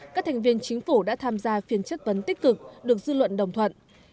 các thành viên chính phủ đã tham gia phiên chất vấn tích cực được dư luận đồng thuận